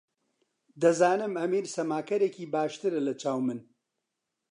دەزانم ئەمیر سەماکەرێکی باشترە لەچاو من.